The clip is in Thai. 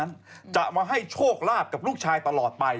นั้นจะมาให้โชคลาภกับลูกชายตลอดไป